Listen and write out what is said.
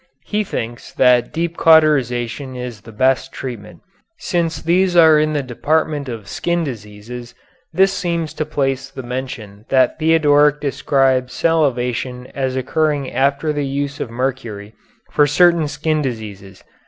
He thinks that deep cauterization of it is the best treatment. Since these are in the department of skin diseases this seems the place to mention that Theodoric describes salivation as occurring after the use of mercury for certain skin diseases.